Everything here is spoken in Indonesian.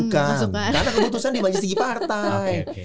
karena keputusan di maju stigi partai